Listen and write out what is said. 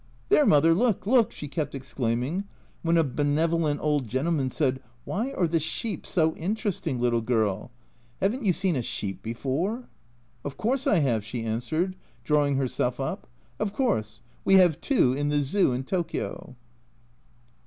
"There, mother, look, look !" she kept exclaiming, when a benevolent old gentleman said, "Why are the sheep so interesting, little girl ? Haven't you seen a sheep before ?" "Of course I have," she answered, drawing herself up ; "of course we have two in the Zoo in Tokio."